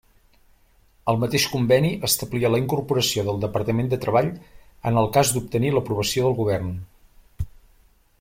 El mateix Conveni establia la incorporació del Departament de Treball en el cas d'obtenir l'aprovació del Govern.